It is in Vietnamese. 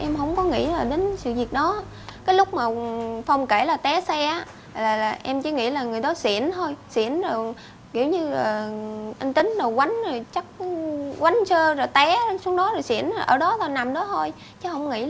mình đánh cho bỏ tức